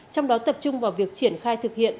trong đó tập trung vào việc triển khai thực hiện